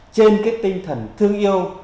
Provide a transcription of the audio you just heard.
trên tinh thần thương yêu